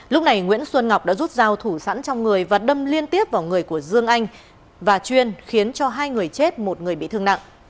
lúc này nguyễn xuân ngọc đã rút dao thủ sẵn trong người và đâm liên tiếp vào người của dương anh và chuyên khiến cho hai người chết một người bị thương nặng